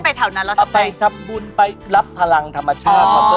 ไปทำบุญไปรับพลังธรรมชาติ